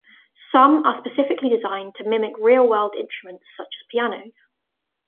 Some are specifically designed to mimic real world instruments such as pianos.